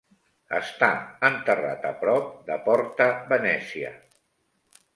Està enterrat a prop de Porta Venezia.